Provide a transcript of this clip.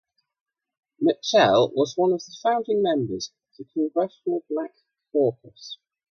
Mitchell was one of the founding members of the Congressional Black Caucus.